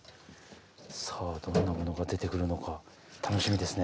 さあどんなものが出てくるのか楽しみですね。